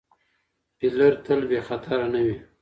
فیلر تل بې خطره نه وي.